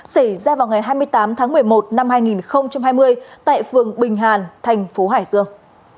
xảy ra vào ngày hai mươi tám tháng một mươi một năm hai nghìn hai mươi tại phường bình hàn thành phố hải dương